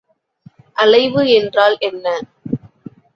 அலைவு என்றால் என்ன?